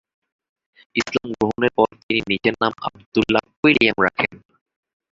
ইসলাম গ্রহণের পর তিনি নিজের নাম আবদুল্লাহ কুইলিয়াম রাখেন।